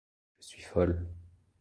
Je suis folle.